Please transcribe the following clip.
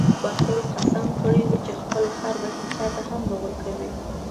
بهلول قسم کړی و چې خپل خر به هېچا ته هم نه ورکوي.